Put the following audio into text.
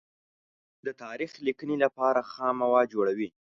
د تاریخ لیکنې لپاره خام مواد جوړوي.